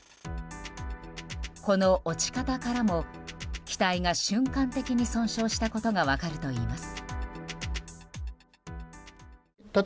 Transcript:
この落ち方からも機体が瞬間的に損傷したことが分かるといいます。